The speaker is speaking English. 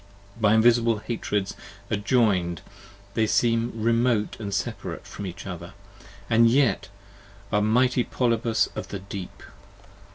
By Invisible Hatreds adjoin'd, they seem remote and separate From each other; and yet are a Mighty Polypus in the Deep!